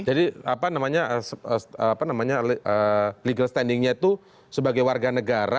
apa namanya legal standingnya itu sebagai warga negara